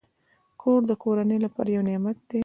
کور د کورنۍ لپاره یو نعمت دی.